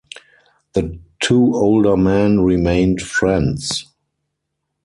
The two older men remained friends.